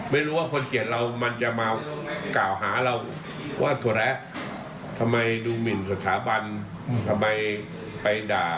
ไม่รู้ว่าคนเกลียดเรามันจะมากล่าวหาเราว่าถั่วแระทำไมดูหมินสถาบันทำไมไปด่า